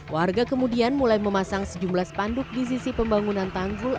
warga kemudian mulai memasang sejumlah spanduk di sisi pembangunan tanggul